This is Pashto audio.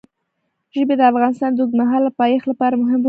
ژبې د افغانستان د اوږدمهاله پایښت لپاره مهم رول لري.